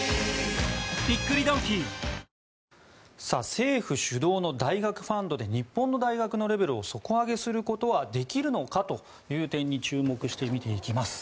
政府主導の大学ファンドで日本の大学のレベルを底上げすることはできるのかという点に注目して見ていきます。